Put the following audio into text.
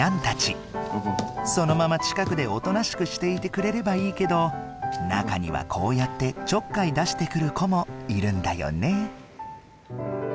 そのまま近くでおとなしくしていてくれればいいけど中にはこうやってちょっかい出してくる子もいるんだよね。